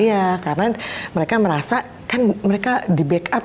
iya karena mereka merasa kan mereka di backup